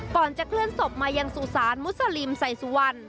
ก่อนจะเคลื่อนศพมายังสุสานมุสลิมใส่สุวรรณ